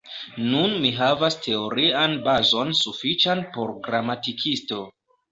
Nun mi havas teorian bazon sufiĉan por gramatikisto.